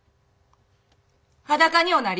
裸におなり。